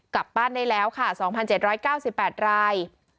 กลับบ้านได้แล้วค่ะ๒๗๙๘ราย